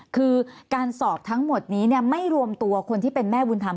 คือการสอบทั้งหมดนี้ไม่รวมตัวคนที่เป็นแม่บุญธรรม